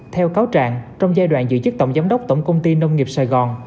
theo cáo trạng trong giai đoạn giữ chức tổng giám đốc tổng công ty nông nghiệp sài gòn